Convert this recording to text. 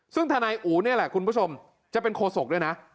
ซึ่งทนายอู๋นี่แหละคุณผู้ชมจะเป็นโคศกด้วยนะ